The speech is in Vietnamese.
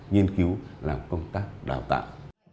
nghiên cứu làm công tác đào tạo